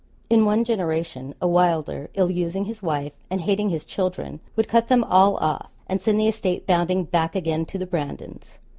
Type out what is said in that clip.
In one generation, a Wylder ill using his wife and hating his children, would cut them all off, and send the estate bounding back again to the Brandons.